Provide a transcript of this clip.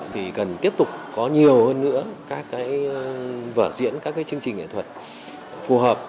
thì cần tiếp tục có nhiều hơn nữa các cái vở diễn các chương trình nghệ thuật phù hợp